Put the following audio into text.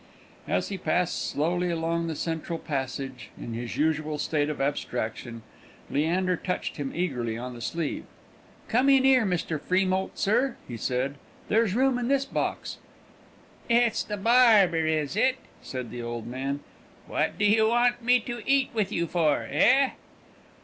As he passed slowly along the central passage, in his usual state of abstraction, Leander touched him eagerly on the sleeve. "Come in 'ere, Mr. Freemoult, sir," he said; "there's room in this box." "It's the barber, is it?" said the old man. "What do you want me to eat with you for, eh?"